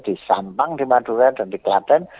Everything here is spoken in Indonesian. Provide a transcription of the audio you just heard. disampang di madura dan di klaten